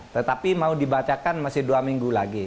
tetapi mau dibacakan masih dua minggu lagi